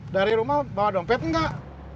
dari rumah bawa dompet enggak